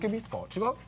違う？